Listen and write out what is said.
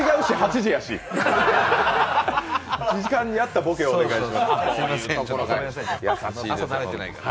時間に合ったボケをお願いします。